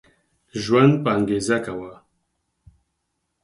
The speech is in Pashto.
ژوند په انګيزه کوه